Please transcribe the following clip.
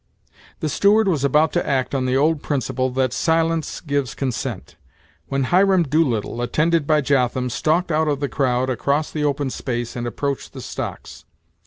The steward was about to act on the old principle, that silence gives consent, when Hiram Doolittle, attended by Jotham, stalked out of the crowd, across the open space, and approached the stocks.